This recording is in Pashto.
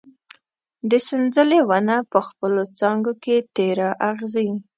د سنځلې ونه په خپلو څانګو کې تېره اغزي